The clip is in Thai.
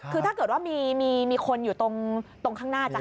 คือถ้าเกิดว่ามีคนอยู่ตรงข้างหน้าจัง